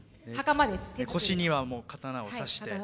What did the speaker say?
腰には刀をさして。